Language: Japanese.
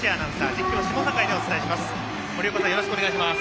実況は下境でお伝えします。